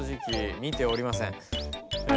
見ておりません。